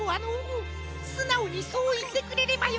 すなおにそういってくれればよかったのに。